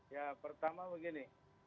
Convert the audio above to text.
ya pertama begini